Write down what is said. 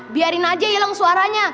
biarin aja hilang suaranya